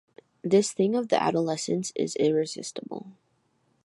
This thing of the adolescence is irresistible.